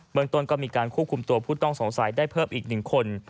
เมืองต้นก็มีการควบคุมตัวผู้ต้องสงสัยได้เพิ่มอีก๑คน